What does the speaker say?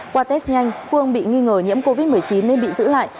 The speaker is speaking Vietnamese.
qua test nhanh phương bị nghi ngờ nhiễm covid một mươi chín nên bị giữ lại